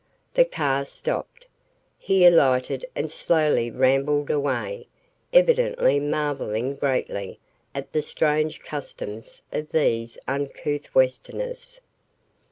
The car stopped, he alighted and slowly rambled away, evidently marvelling greatly at the strange customs of these uncouth westerners.